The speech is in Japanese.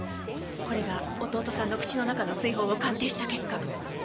これが弟さんの口の中の水疱を鑑定した結果。